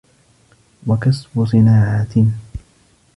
وَكَسْبُ صِنَاعَةٍ